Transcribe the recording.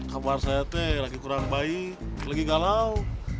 kabar saya teh lagi kurang baik lagi galau